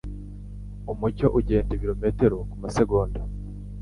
Umucyo ugenda ibirometero kumasegonda.